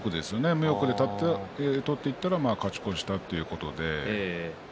無欲で取っていったら勝ち越したということです。